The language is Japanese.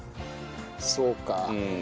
そうか。